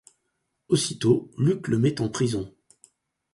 Aussitôt, Luke le met en prison.